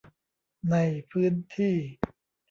ในพื้นที่